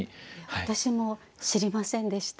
私も知りませんでした。